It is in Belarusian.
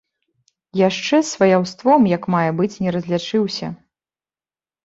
Яшчэ з сваяўством як мае быць не разлічыўся.